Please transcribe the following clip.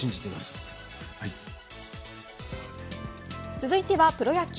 続いてはプロ野球。